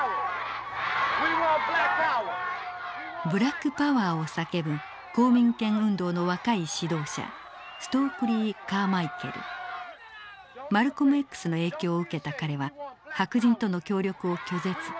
ブラック・パワーを叫ぶ公民権運動の若い指導者マルコムＸの影響を受けた彼は白人との協力を拒絶。